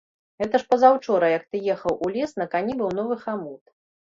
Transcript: Гэта ж пазаўчора, як ты ехаў у лес, на кані быў новы хамут.